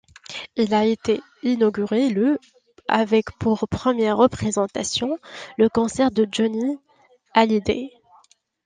Il a été inauguré le avec pour première représentation, le concert de Johnny Hallyday.